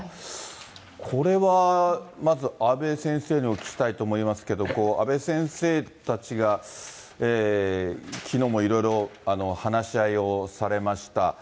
これはまず、阿部先生にお聞きしたいと思いますけど、阿部先生たちがきのうもいろいろ話し合いをされました。